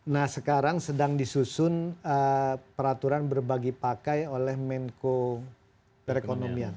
nah sekarang sedang disusun peraturan berbagi pakai oleh menko perekonomian